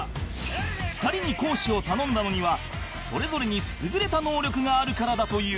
２人に講師を頼んだのにはそれぞれに優れた能力があるからだという